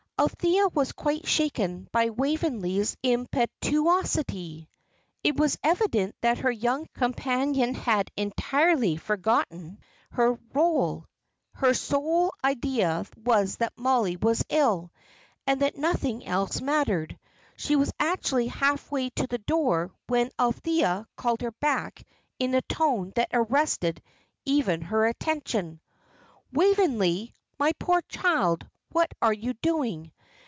Althea was quite shaken by Waveney's impetuosity. It was evident that her young companion had entirely forgotten her rôle; her sole idea was that Mollie was ill, and that nothing else mattered. She was actually half way to the door when Althea called her back in a tone that arrested even her attention. "Waveney, my poor child, what are you doing?